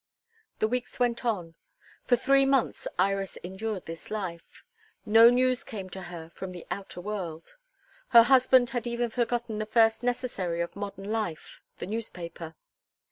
The weeks went on. For three months Iris endured this life. No news came to her from the outer world; her husband had even forgotten the first necessary of modern life the newspaper.